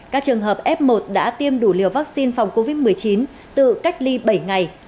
các trường hợp f một đã tiêm đủ liều vaccine phòng covid một mươi chín tự cách ly bảy ngày